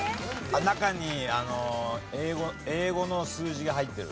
中に英語の数字が入ってる。